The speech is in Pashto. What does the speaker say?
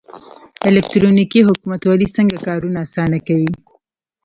الکترونیکي حکومتولي څنګه کارونه اسانه کوي؟